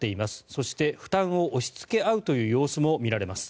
そして、負担を押しつけ合うという様子も見られます。